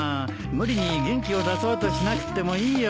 無理に元気を出そうとしなくってもいいよ。